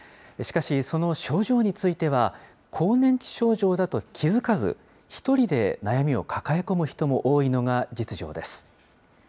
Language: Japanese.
しかしその症状については、更年期症状だと気付かず、一人で悩みを抱え込む人も多いのが実情です。